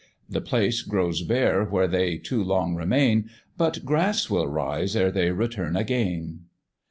The place grows bare where they too long remain, But grass will rise ere they return again.